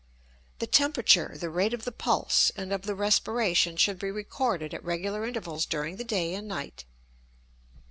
The temperature, the rate of the pulse, and of the respiration should be recorded at regular intervals during the day and night.